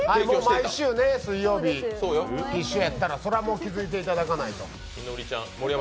毎週水曜日、一緒やったら、それは気付いていただかないと。